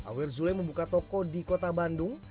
i wear zully membuka toko di kota bandung